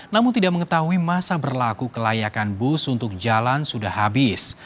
namun tidak mengetahui masa berlaku kelayakan bus untuk jalan sudah habis